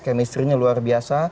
kemistrinya luar biasa